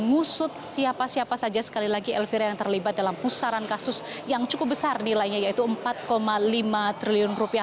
mengusut siapa siapa saja sekali lagi elvira yang terlibat dalam pusaran kasus yang cukup besar nilainya yaitu empat lima triliun rupiah